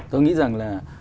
tôi nghĩ rằng là